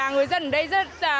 người dân ở đây rất là